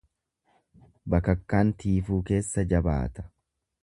Bakakkaan tiifuu keessa jabaata.